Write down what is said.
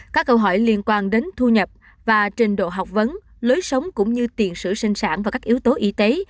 các câu hỏi liên quan đến thu nhập và trình độ học vấn lối sống cũng như tiền sử sinh sản và các yếu tố y tế